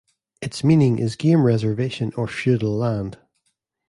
Its meaning is game reservation or feudal land.